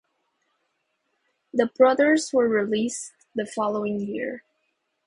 The brothers were released the following year.